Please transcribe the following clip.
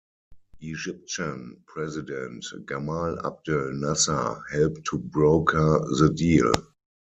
Egyptian president Gamal Abdel Nasser helped to broker the deal.